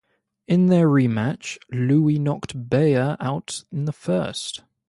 In their rematch, Louis knocked Baer out in the first.